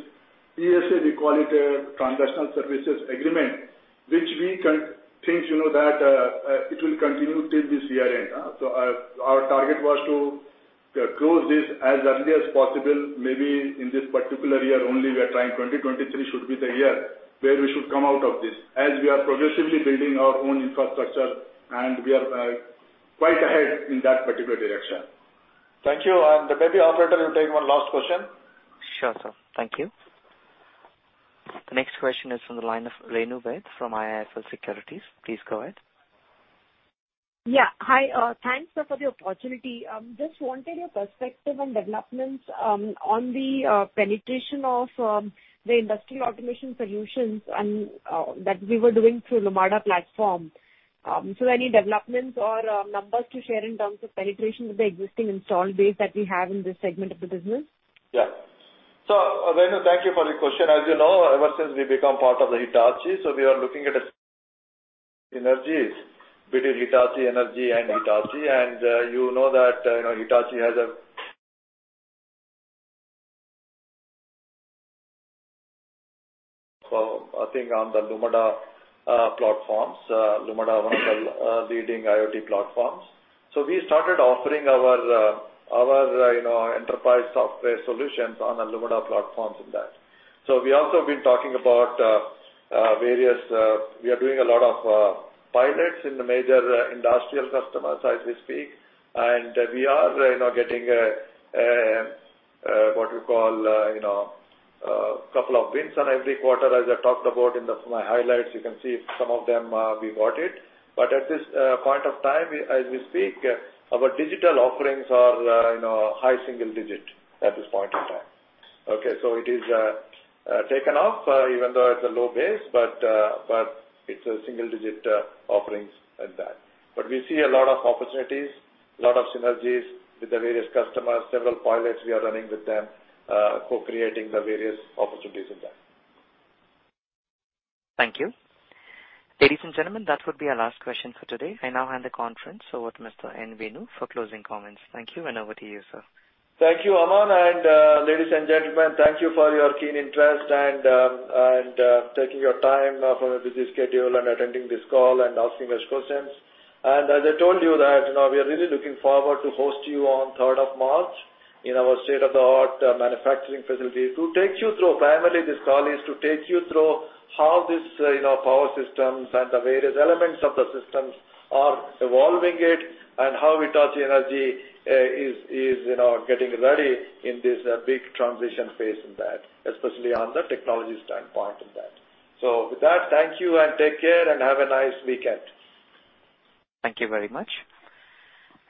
PSA, we call it, transactional services agreement. Which we can think, you know, that it will continue till this year end. Our target was to close this as early as possible, maybe in this particular year only we are trying. 2023 should be the year where we should come out of this, as we are progressively building our own infrastructure and we are quite ahead in that particular direction. Thank you. Maybe Operator, you take one last question. Sure, sir. Thank you. The next question is from the line of Renu Bhardwaj from IIFL Securities. Please go ahead. Yeah. Hi. Thanks, sir for the opportunity. Just wanted your perspective on developments, on the penetration of the industrial automation solutions and that we were doing through Lumada platform. Any developments or numbers to share in terms of penetration with the existing installed base that we have in this segment of the business? Yeah. Renu, thank you for the question. As you know, ever since we become part of the Hitachi, we are looking at synergies between Hitachi Energy and Hitachi. You know that, you know, I think on the Lumada platforms, Lumada one of the leading IoT platforms. We started offering our, you know, enterprise software solutions on the Lumada platforms in that. We also have been talking about, we are doing a lot of pilots in the major industrial customers as we speak. We are, you know, getting a what you call, you know, couple of wins on every quarter. As I talked about in the, my highlights, you can see some of them we got it. At this point of time, as we speak, our digital offerings are, you know, high single-digit at this point in time. Okay, it is taken off, even though it's a low base. It's a single-digit offerings at that. We see a lot of opportunities, lot of synergies with the various customers. Several pilots we are running with them, co-creating the various opportunities in that. Thank you. Ladies and gentlemen, that would be our last question for today. I now hand the conference over to Mr. N. Venu for closing comments. Thank you and over to you, sir. Thank you, Aman. Ladies and gentlemen, thank you for your keen interest and taking your time from your busy schedule and attending this call and asking those questions. As I told you that, you know, we are really looking forward to host you on 3rd March in our state-of-the-art manufacturing facility to take you through. Primarily, this call is to take you through how this, you know, power systems and the various elements of the systems are evolving it, and how Hitachi Energy is, you know, getting ready in this big transition phase in that, especially on the technology standpoint of that. With that, thank you and take care and have a nice weekend. Thank you very much.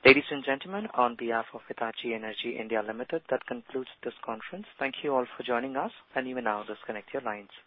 Ladies and gentlemen, on behalf of Hitachi Energy India Limited, that concludes this conference. Thank you all for joining us. You may now disconnect your lines.